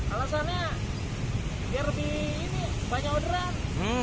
alasannya biar lebih ini banyak orderan